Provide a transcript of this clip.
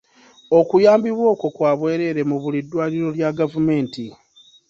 Okuyambibwa okwo kwa bwereere mu buli ddwaliro lya gavumenti.